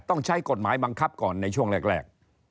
ต้องใช้กฎหมายบังคับก่อนในช่วงแรก